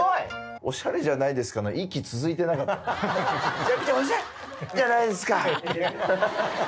「めちゃくちゃオシャレじゃないですか」。